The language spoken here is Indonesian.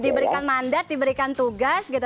diberikan mandat diberikan tugas gitu